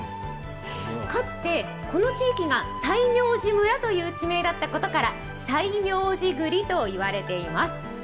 かつてこの地域が西明寺村という地名だったことから西明寺栗と言われています。